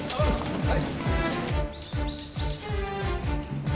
はい。